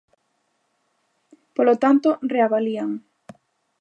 Polo tanto, reavalían.